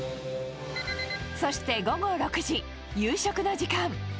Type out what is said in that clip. そして午後６時、夕食の時間。